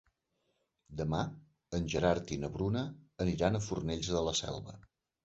Demà en Gerard i na Bruna aniran a Fornells de la Selva.